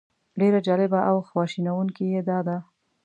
ډېره جالبه او خواشینونکې یې دا ده.